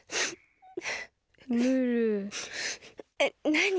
えっなに？